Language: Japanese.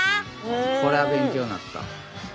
これは勉強になった。